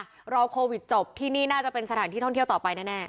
รอโควิดจบที่นี่น่าจะเป็นสถานที่ท่องเที่ยวต่อไปแน่